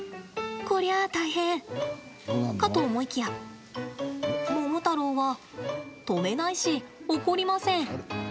こりゃ大変かと思いきやモモタロウは止めないし怒りません。